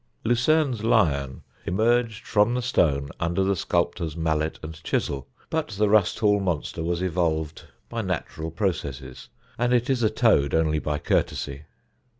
Lucerne's lion emerged from the stone under the sculptor's mallet and chisel, but the Rusthall monster was evolved by natural processes, and it is a toad only by courtesy.